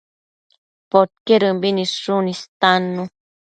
Podquedëmbi nidshun istannu